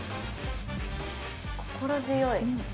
心強い。